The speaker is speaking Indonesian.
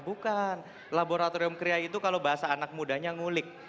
bukan laboratorium kria itu kalau bahasa anak mudanya ngulik